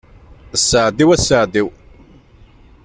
Saɛd-iw a saɛd-iw.